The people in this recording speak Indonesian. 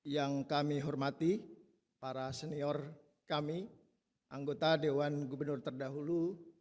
yang kami hormati para senior kami anggota dewan gubernur terdahulu